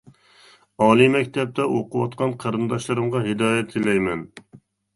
ئالىي مەكتەپتە ئوقۇۋاتقان قېرىنداشلىرىمغا ھىدايەت تىلەيمەن.